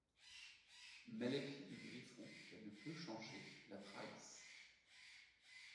Mais les pieds de griffon qu'elle ne peut changer la trahissent.